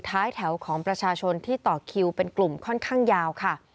ท้ายแถวของประชาชนที่ต่อคิวเป็นกลุ่มค่อนข้างยาวค่ะ